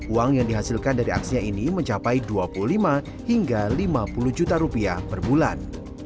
uang yang dihasilkan dari aksinya ini mencapai dua puluh lima hingga lima puluh juta rupiah per bulan